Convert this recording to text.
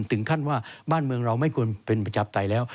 ถึงขั้นว่าบ้านเมืองเราไม่ควรเป็นประชาปไตยแล้ว